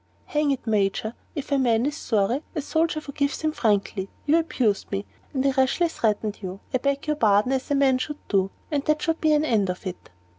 "Hang it, Major, if a man is sorry, a soldier forgives him frankly. You abused me, and I rashly threatened you. I beg your pardon, as a man should do, and that should be an end to it."